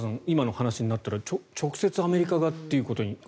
今の話になったら直接アメリカがってことに。